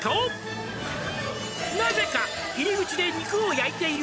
「なぜか入り口で肉を焼いている」